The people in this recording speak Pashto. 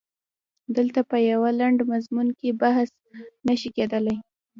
دلته په یوه لنډ مضمون کې بحث نه شي کېدلای.